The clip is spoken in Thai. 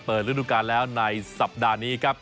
ฤดูการแล้วในสัปดาห์นี้ครับ